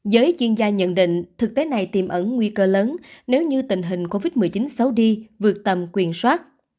giới chuyên gia nhận định thực tế này tìm ẩn nguy cơ lớn nếu như tình hình covid một mươi chín xấu đi vượt tầm quyền soát